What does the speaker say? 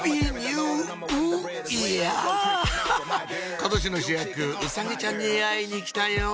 今年の主役うさぎちゃんに会いに来たよ！